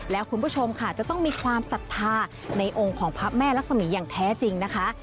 และคุณผู้ชมค่ะจะต้องมีความศรัทธาในองค์ของพระแม่รักษมีอย่างแท้จริงนะคะ